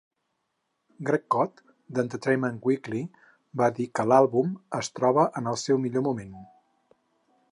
Greg Kot, d'Entertainment Weekly, va dir que l'àlbum "es troba en el seu millor moment".